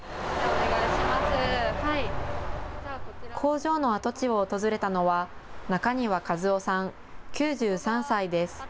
工場の跡地を訪れたのは中庭和夫さん、９３歳です。